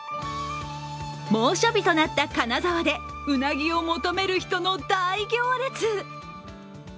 猛暑日となった金沢でうなぎを求める人の大行列。